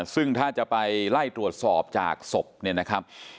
ซึ่งถ้าจะไปไล่ตรวจสอบจากศพเนี่ยนะครับ